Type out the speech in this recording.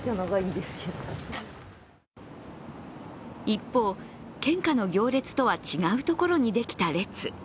一方、献花の行列とは違うところにできた列。